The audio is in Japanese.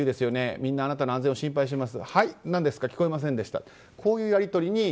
みんなあなたの安全を心配しています。